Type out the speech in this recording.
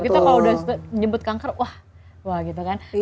kita kalau udah nyebut kanker wah wah gitu kan